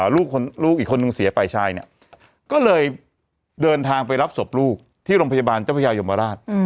ลูกอีกคนนึงเสียฝ่ายชายเนี่ยก็เลยเดินทางไปรับศพลูกที่โรงพยาบาลเจ้าพระยายมราช